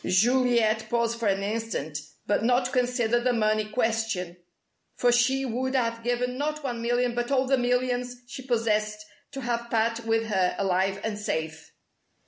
Juliet paused for an instant, but not to consider the money question, for she would have given not one million but all the millions she possessed to have Pat with her, alive and safe.